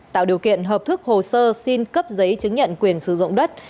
tạo điều kiện hợp thức hồ sơ xin cấp giấy chứng nhận quyền sử dụng đất